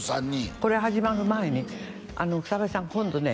これ始まる前に「草笛さん今度ね」